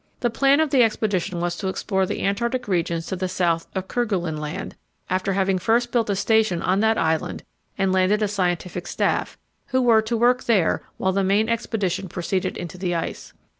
The plan of the expedition was to explore the Antarctic regions to the south of Kerguelen Land, after having first built a station on that island and landed a scientific staff, who were to work there, while the main expedition proceeded into the ice.